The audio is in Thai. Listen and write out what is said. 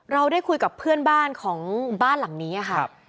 เราได้คุยกับเพื่อนบ้านของบ้านหลังนี้ค่ะ